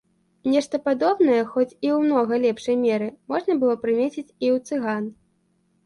Нешта падобнае, хоць і ў многа лепшай меры, можна было прымеціць і ў цыган.